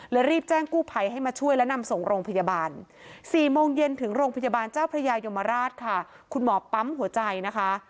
รีบแจ้งกู้ภัยให้มาช่วยและนำส่งโรงพยาบาล๔โมงเย็นถึงโรงพยาบาลเจ้าพระยายมราชค่ะคุณหมอปั๊มหัวใจนะคะ